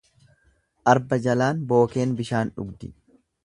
Arba jalaan bookeen bishaan dhugdi.